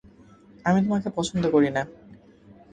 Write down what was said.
আমি তোমাকে পছন্দ করি না।